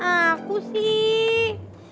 bebe aku mau pulang